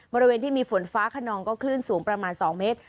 บริเวณที่มีฝนฟ้าขนองก็คลื่นสูงประมาณ๒เมตร